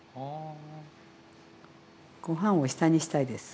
ご飯を下にしたいです。